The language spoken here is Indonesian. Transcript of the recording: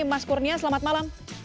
mas kurnia selamat malam